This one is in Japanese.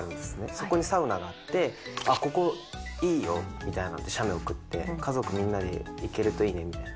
そこにサウナがあって、ここいいよみたいな写メ送って、家族みんなで行けるといいねみたいな。